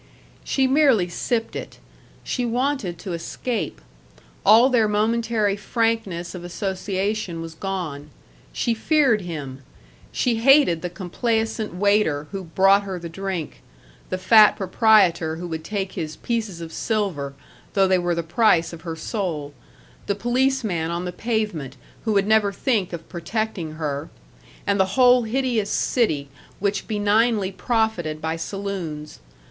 She merely sipped it. She wanted to escape. All their momentary frankness of association was gone. She feared him; she hated the complaisant waiter who brought her the drink; the fat proprietor who would take his pieces of silver, though they were the price of her soul; the policeman on the pavement, who would never think of protecting her; and the whole hideous city which benignly profited by saloons.